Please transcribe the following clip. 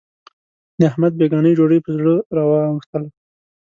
د احمد بېګانۍ ډوډۍ په زړه را وا وښتله.